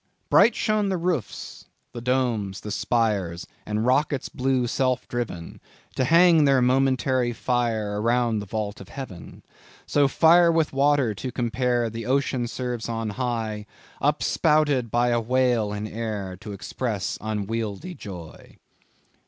"Bright shone the roofs, the domes, the spires, And rockets blew self driven, To hang their momentary fire Around the vault of heaven. "So fire with water to compare, The ocean serves on high, Up spouted by a whale in air, To express unwieldy joy."